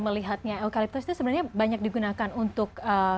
melihatnya eukaliptus itu sebenarnya banyak digunakan untuk